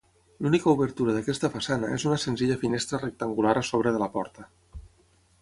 L'única obertura d'aquesta façana és una senzilla finestra rectangular a sobre de la porta.